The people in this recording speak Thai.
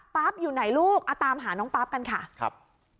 อยู่ไหนลูกเอาตามหาน้องปั๊บกันค่ะครับ